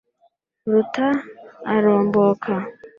ruta aromboka